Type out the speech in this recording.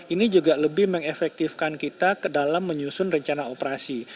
ini juga lebih mengefektifkan kita ke dalam menyusun rencana operasi